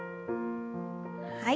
はい。